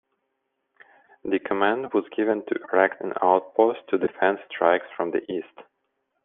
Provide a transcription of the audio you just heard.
The command was given to erect an outpost to defend strikes from the east.